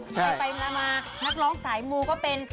ไปมานักร้องสายมูก็เป็น